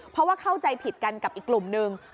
เพราะว่าเข้าใจผิดกันกับอีกกลุ่มนึง